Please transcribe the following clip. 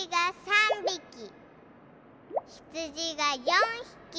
ひつじが５ひき。